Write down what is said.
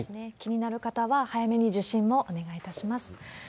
気になる方は、早めに受診もお願いいたします。